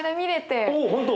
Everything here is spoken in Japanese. おお本当！